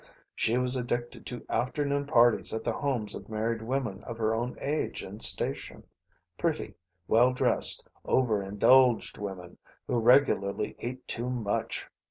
She was addicted to afternoon parties at the homes of married women of her own age and station pretty, well dressed, over indulged women who regularly ate too much.